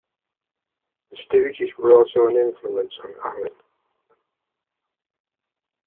The Stooges were also an influence on Allin.